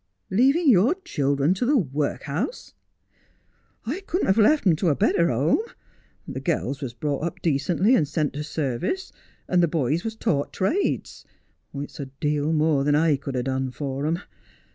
' Leaving your children to the workhouse ?' 'I couldn't have left 'em to a better home. The gals was brought up decently and sent to service, and the boys was taught trades. It's a deal more than I could ha' done for 'em.